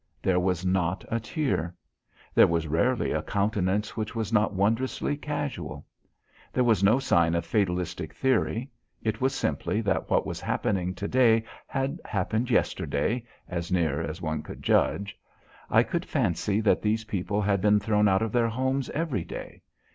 There was not a tear. There was rarely a countenance which was not wondrously casual. There was no sign of fatalistic theory. It was simply that what was happening to day had happened yesterday, as near as one could judge. I could fancy that these people had been thrown out of their homes every day.